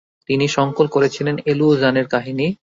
তিনি সংকলন করেছিলেন এলু জানের কাহিনী।